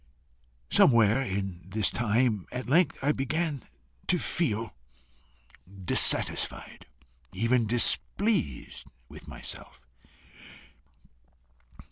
"Somewhere in this time at length, I began to feel dissatisfied, even displeased with myself.